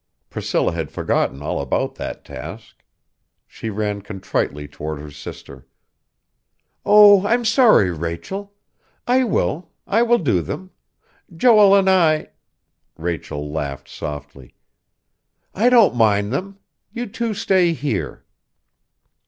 Priscilla had forgotten all about that task. She ran contritely toward her sister. "Oh, I'm sorry, Rachel. I will, I will do them. Joel and I...." Rachel laughed softly. "I don't mind them. You two stay here."